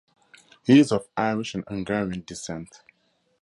He is of Irish and Hungarian descent.